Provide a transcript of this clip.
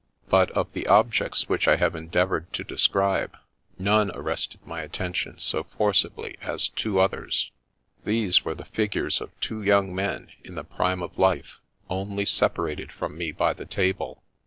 " But of the objects which I have endeavoured to describe, none arrested my attention so forcibly as two others. These were the figures of two young men in the prime of life, only separated from me by the table.